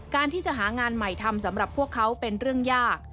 การที่จะหางานใหม่ทำสำหรับพวกเขาเป็นเรื่องยาก